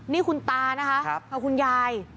นี่คุณตานะคะกับคุณยาย